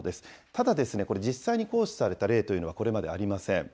ただ、これ、実際に行使された例というのはこれまでありません。